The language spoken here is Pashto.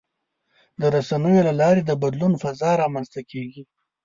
د رسنیو له لارې د بدلون فضا رامنځته کېږي.